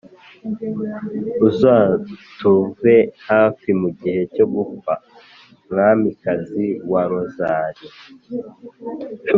uzatube hafi mu gihe cyo gupfa…mwamikazi wa rozali